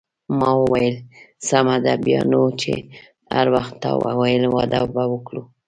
ما وویل: سمه ده، بیا نو چې هر وخت تا وویل واده به وکړو.